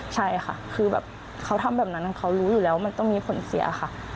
ใช่ค่ะคือแบบเขาทำแบบนั้นเขารู้อยู่แล้วมันต้องมีผลเสียค่ะ